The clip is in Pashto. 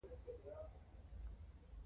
دغه یم، دلته یم بریدمنه، په همدې ګڼه ګوڼه کې.